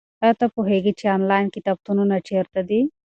ایا ته پوهېږې چې انلاین کتابتونونه چیرته دي؟